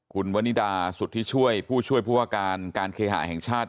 คุณวนิดาสุธิช่วยผู้ช่วยผู้ว่าการการเคหาแห่งชาติ